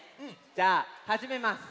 じゃあはじめます！